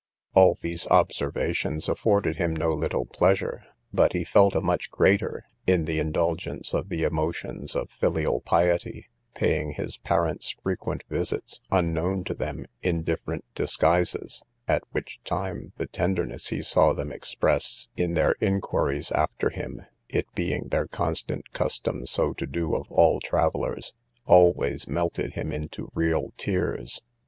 All these observations afforded him no little pleasure, but he felt a much greater in the indulgence of the emotions of filial piety, paying his parents frequent visits, unknown to them, in different disguises; at which time, the tenderness he saw them express in their inquiries after him (it being their constant custom so to do of all travellers) always melted him into real tears.